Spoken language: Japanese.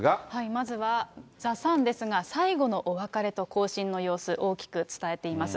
まずはザ・サンですが、最後のお別れと、行進の様子、大きく伝えています。